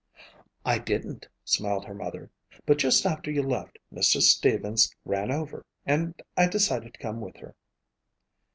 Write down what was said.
"I didn't," smiled her mother, "but just after you left Mrs. Stevens ran over and I decided to come with her."